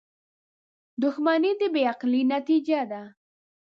• دښمني د بې عقلۍ نتیجه ده.